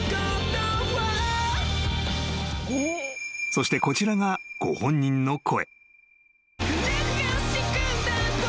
［そしてこちらがご本人の声］